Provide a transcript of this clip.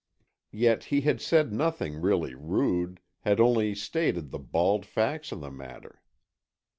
Yet he had said nothing really rude, had only stated the bald facts of the matter.